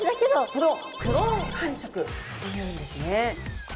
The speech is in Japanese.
これをクローン繁殖っていうんですね。